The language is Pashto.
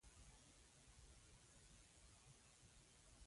هره نیکه نیت د ثواب سبب کېږي.